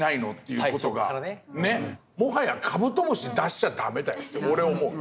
もはやカブトムシ出しちゃ駄目だよって俺思う。